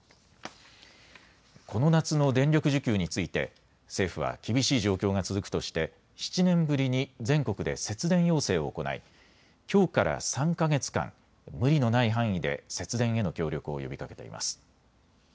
この夏の電力需給について政府は厳しい状況が続くとして７年ぶりに全国で節電要請を行いきょうから３か月間、無理のない範囲で節電への協力を呼びかけています。